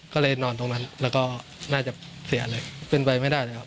ก็เลยนอนตรงนั้นแล้วก็น่าจะเสียเลยเป็นไปไม่ได้เลยครับ